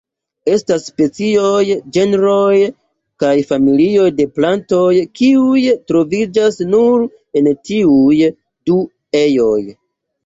Estas specioj, genroj, kaj familioj de plantoj kiuj troviĝas nur en tiuj du ejoj.